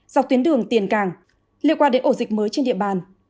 dọc tuyến đường tiền càng liên quan đến ổ dịch mới trên địa bàn